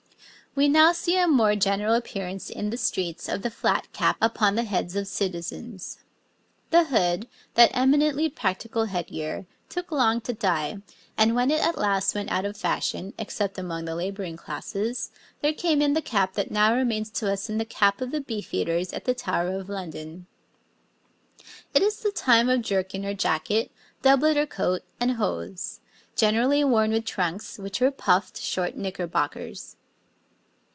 We now see a more general appearance in the streets of the flat cap upon the heads of citizens. The hood, that eminently practical head gear, took long to die, and, when at last it went out of fashion, except among the labouring classes, there came in the cap that now remains to us in the cap of the Beefeaters at the Tower of London. [Illustration: {Two men of the time of Edward VI.}] It is the time of jerkin or jacket, doublet or coat, and hose generally worn with trunks, which were puffed, short knickerbockers.